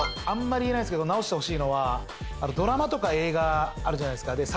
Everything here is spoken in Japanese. あんまり言えないんすけど直してほしいのはドラマとか映画あるじゃないですか